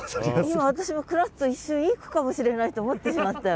今私もクラッと一瞬いい句かもしれないと思ってしまったよ。